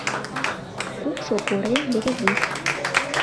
Кукшо корем, берегись!